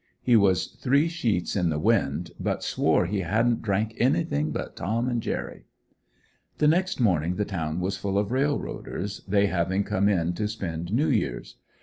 He was three sheets in the wind, but swore he hadn't drank anything but "Tom and Jerry." The next morning the town was full of railroaders, they having come in to spend New Years.